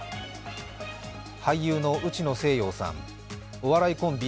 俳優の内野聖陽さん、お笑いコンビ